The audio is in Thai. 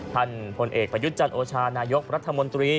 ท่านผลเอกประยุจจรโอชานายกรัฐมนตรี